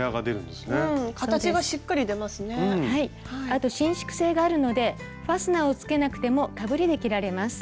あと伸縮性があるのでファスナーをつけなくてもかぶりで着られます。